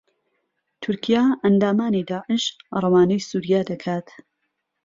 تورکیا ئهندامانی داعش رهوانهی سووریا دهکات